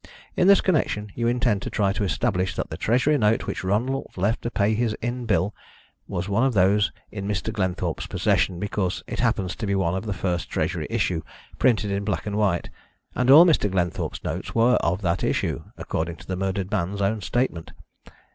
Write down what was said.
In this connection you intend to try to establish that the Treasury note which Ronald left to pay his inn bill was one of those in Mr. Glenthorpe's possession, because it happens to be one of the First Treasury issue, printed in black and white, and all Mr. Glenthorpe's notes were of that issue, according to the murdered man's own statement.